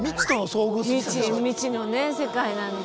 未知未知のね世界なので。